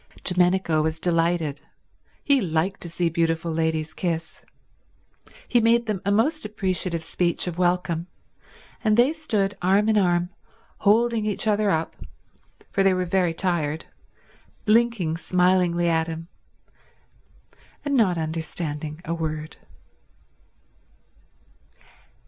Domenico was delighted. He liked to see beautiful ladies kiss. He made them a most appreciative speech of welcome, and they stood arm in arm, holding each other up, for they were very tired, blinking smilingly at him, and not understanding a word.